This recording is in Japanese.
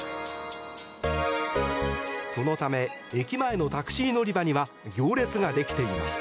そのため駅前のタクシー乗り場には行列ができていました。